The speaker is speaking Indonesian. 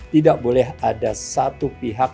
tidak boleh ada satu pihak